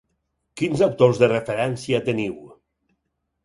Quins autors de referència teniu?